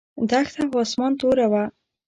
دښته او اسمان توره وه.